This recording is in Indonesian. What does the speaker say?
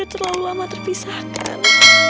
aku terlalu lama terpisahkan